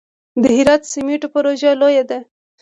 د هرات سمنټو پروژه لویه ده